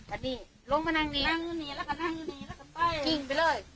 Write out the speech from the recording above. อันนี้ลงไปนั่งนี้นั่งนี้แล้วก็นั่งนี้แล้วก็ไปจิ้งไปเลย